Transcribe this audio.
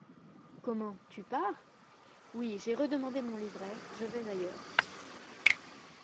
Comment, tu pars ? Oui, j'ai redemandé mon livret, je vais ailleurs.